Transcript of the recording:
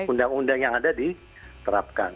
undang undang yang ada diterapkan